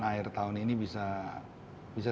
akhir tahun ini bisa